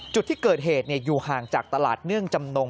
จุดที่เกิดเหตุอยู่ห่างจากตลาดเนื่องจำนง